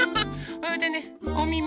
それでねおみみ。